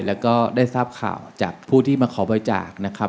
แล้วก็ได้ทราบข่าวจากผู้ที่มาขอบริจาคนะครับ